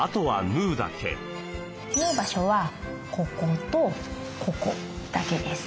縫う場所はこことここだけです。